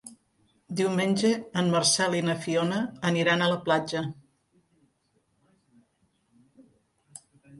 Diumenge en Marcel i na Fiona aniran a la platja.